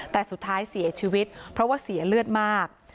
แต่สุดท้ายเสียชีวิตเพราะว่าเสียเลือดมาก